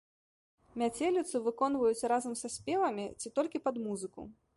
Мяцеліцу выконваюць разам са спевамі ці толькі пад музыку.